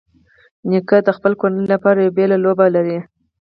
نیکه د خپلې کورنۍ لپاره یو بېلې لوبه لري.